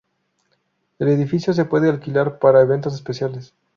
El edificio se pueden alquilar para eventos especiales.